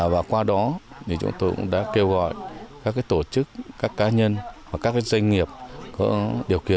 và qua đó chúng tôi cũng đã kêu gọi các tổ chức các cá nhân và các doanh nghiệp có điều kiện